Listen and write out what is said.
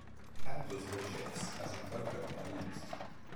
Counters or chips, as in poker, are used.